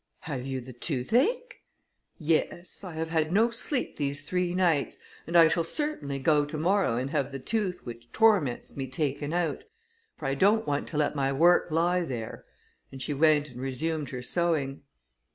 "Have you the tooth ache?" "Yes: I have had no sleep these three nights, and I shall certainly go to morrow and have the tooth which torments me taken out; for I don't want to let my work lie there," and she went and resumed her sewing.